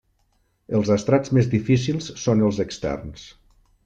Els estrats més difícils són els externs.